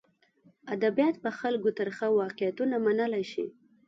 ادبیات په خلکو ترخه واقعیتونه منلی شي.